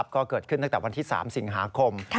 ก็เกิดขึ้นตั้งแต่วันที่๓สิงหาคม